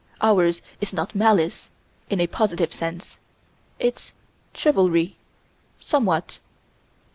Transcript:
Ours is not malice in a positive sense. It's chivalry somewhat.